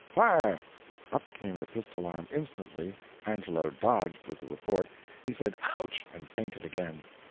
"Fire !" Up came the pistol arm instantly Angelo dodged with the report. He said "Ouch!" and fainted again.